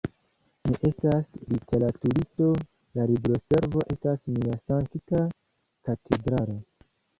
Mi estas literaturisto, la libroservo estas mia sankta katedralo.